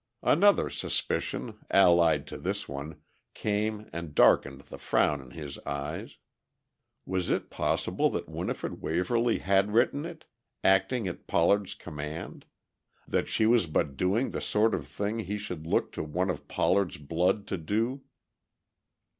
Another suspicion, allied to this one, came and darkened the frown in his eyes. Was it possible that Winifred Waverly had written it, acting at Pollard's command? that she was but doing the sort of thing he should look to one of Pollard's blood to do?